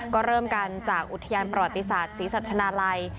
ก็เริ่มกันจากอุทยานประวัติศาสตร์ศรีสัชนาลัย